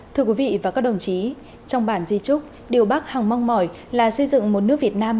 thưa quý vị và các đồng chí trong bản di trúc điều bác hằng mong mỏi là xây dựng một nước việt nam